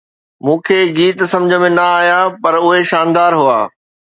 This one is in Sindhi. مون کي گيت سمجهه ۾ نه آيا پر اهي شاندار هئا